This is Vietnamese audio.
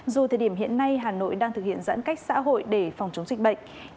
dù thời điểm hiện nay hà nội đang thực hiện giãn cách xã hội để phòng chống dịch bệnh